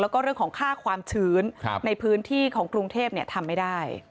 แล้วก็เรื่องของค่าความชื้นในพื้นที่ของกรุงเทพทำไม่ได้